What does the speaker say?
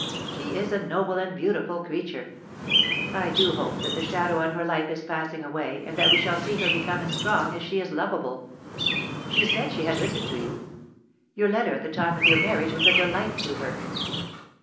She is a noble and beautiful creature; I do hope that the shadow on her life is passing away, and that we shall see her become as strong as she is lovable. She said she had written to you. Your letter at the time of your marriage was a delight to her.